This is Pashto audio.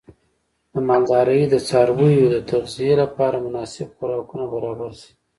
د مالدارۍ د څارویو د تغذیې لپاره مناسب خوراکونه برابر شي.